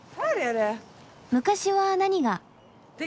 昔は何が？